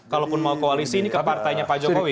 kalaupun mau koalisi ini ke partainya pak jokowi